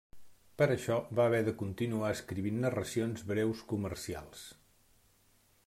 Per això, va haver de continuar escrivint narracions breus comercials.